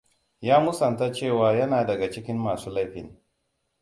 Ya musanta cewar yana daga cikin masu laifin.